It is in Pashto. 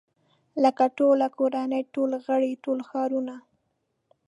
لکه ټوله کورنۍ ټول غړي ټول ښارونه.